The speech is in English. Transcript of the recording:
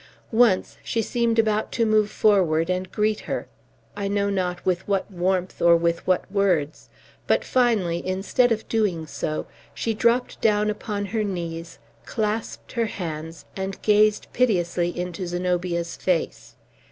Once she seemed about to move forward and greet her, I know not with what warmth or with what words, but, finally, instead of doing so, she dropped down upon her knees, clasped her hands, and gazed piteously into Zenobia's face.